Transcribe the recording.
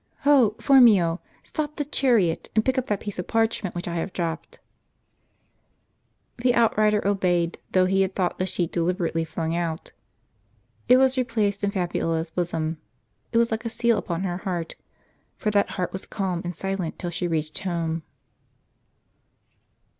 Ho! Phormio, stop the chariot, and pick up that piece of parchment which I have dropped." * Matt. T. 44. 181 w The outrider obeyed, though he had thought the sheet deliberately flung out. It was replaced in Fabiola's bosom : it was like a seal upon her heart, for that heart was calm and silent till she reached home.